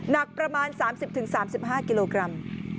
หนักประมาณ๓๐๓๕กิโลกรัม